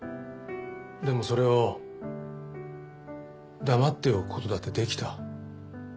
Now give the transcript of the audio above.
でもそれを黙っておく事だってできた。